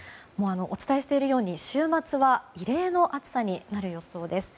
お伝えしているように、週末は異例の暑さになる予想です。